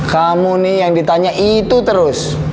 kamu nih yang ditanya itu terus